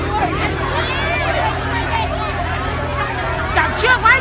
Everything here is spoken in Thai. ก็ไม่มีเวลาให้กลับมาเท่าไหร่